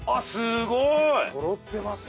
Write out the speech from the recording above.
そろってますね。